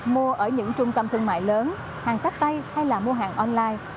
mua ở những trung tâm thương mại lớn hàng sách tay hay là mua hàng online